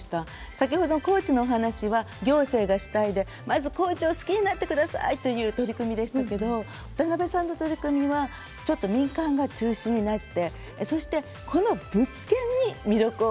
先ほど、高知のお話は行政が主体でまず高知を好きになってくださいという取り組みですが渡邊さんの取り組みはちょっと民間が中心になってそして、この物件に魅力を。